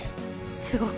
すごく。